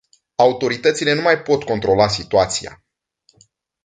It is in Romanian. Autoritățile nu mai pot controla situația.